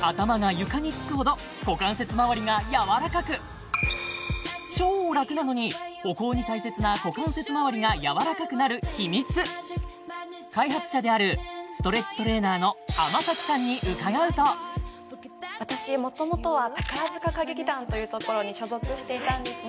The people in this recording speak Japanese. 頭が床につくほど股関節まわりがやわらかく超楽なのに歩行に大切な股関節まわりがやわらかくなる秘密開発者であるストレッチトレーナーの天咲さんに伺うと私元々は宝塚歌劇団という所に所属していたんですね